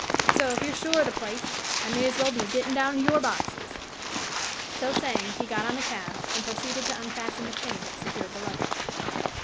So, if you're sure o' the place, I may as well be a gettin' down of your boxes." So saying, he got on the cab, and proceeded to unfasten the chain that secured the luggage.